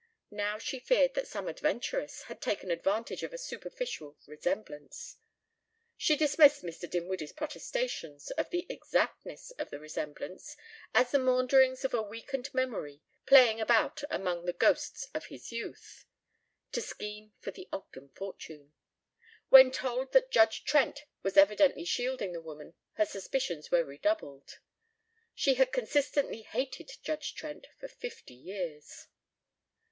Now she feared that some adventuress had taken advantage of a superficial resemblance she dismissed Mr. Dinwiddie's protestations of the exactness of that resemblance as the maunderings of a weakened memory playing about among the ghosts of its youth to scheme for the Ogden fortune. When told that Judge Trent was evidently shielding the woman her suspicions were redoubled. She had consistently hated Judge Trent for fifty years.